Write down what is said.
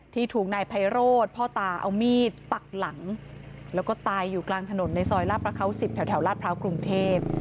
ถูกนายไพโรธพ่อตาเอามีดปักหลังแล้วก็ตายอยู่กลางถนนในซอยลาดประเขา๑๐แถวลาดพร้าวกรุงเทพ